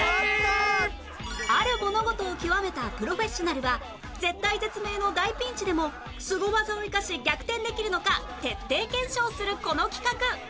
ある物事を極めたプロフェッショナルは絶体絶命の大ピンチでもスゴ技を生かし逆転できるのか徹底検証するこの企画